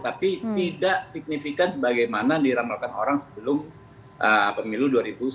tapi tidak signifikan sebagaimana diramalkan orang sebelum pemilu dua ribu sembilan belas